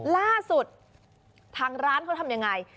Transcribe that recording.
ล่าสุดทางร้านเขาทำยังไง